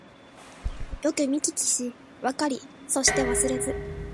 よくみききしわかりそしてわすれず